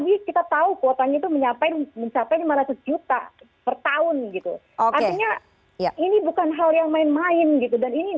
disitu kita akan tanya nanti